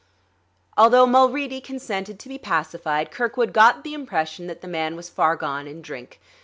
Although Mulready consented to be pacified, Kirkwood got the impression that the man was far gone in drink.